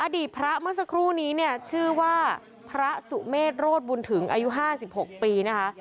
อดีตพระเมื่อสักครู่นี้เนี่ยชื่อว่าพระสุเมษโรธบุญถึงอายุ๕๖ปีนะคะ